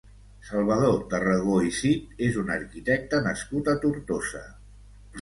Salvador Tarragó i Cid és un arquitecte nascut a Tortosa.